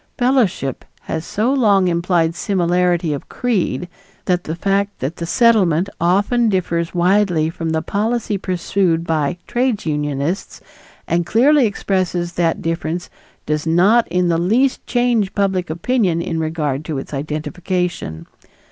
Fellowship has so long implied similarity of creed that the fact that the Settlement often differs widely from the policy pursued by trades unionists and clearly expresses that difference does not in the least change public opinion in regard to its identification.